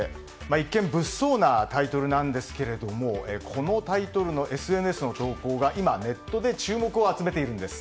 一見、物騒なタイトルなんですがこのタイトルのＳＮＳの投稿が今、ネットで注目を集めているんです。